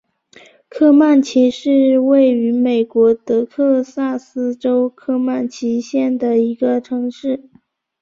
科曼奇是位于美国得克萨斯州科曼奇县的一个城市。